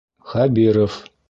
Хәбиров.